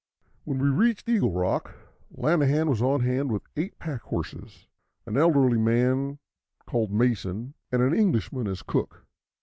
When we reached Eagle Rock, Lanahan was on hand with eight pack horses, an elderly man called Mason, and an Englishman as cook.